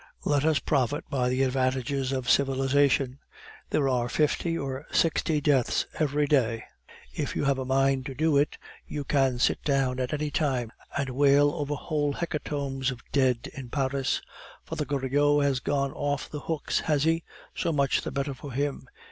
Let us profit by the advantages of civilization. There are fifty or sixty deaths every day; if you have a mind to do it, you can sit down at any time and wail over whole hecatombs of dead in Paris. Father Goriot has gone off the hooks, has he? So much the better for him.